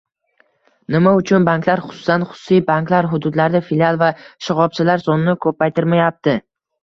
Nima uchun banklar, xususan, xususiy banklar, hududlarda filial va shoxobchalar sonini ko'paytirmayapti?